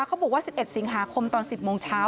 เขาบอกว่า๑๑สิงหาคมตอน๑๐โมงเช้า